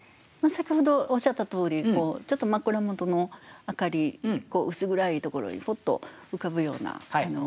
先ほどおっしゃったとおりちょっと枕元の明かり薄暗いところにポッと浮かぶようなそういう灯りだと思います。